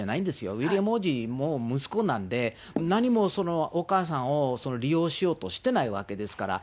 ウィリアム王子も息子なんで、何もお母さんを利用しようとしてないわけですから。